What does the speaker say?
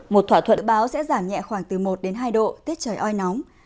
một thỏa thuận dự báo sẽ giảm nhẹ khoảng từ một đến hai độ tiết trời oi nóng